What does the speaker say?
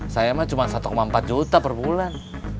saya mah cuma satu empat juta perbulan